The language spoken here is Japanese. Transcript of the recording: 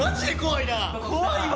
怖いわ！